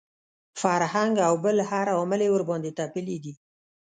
فرهنګ او بل هر عامل یې ورباندې تپلي دي.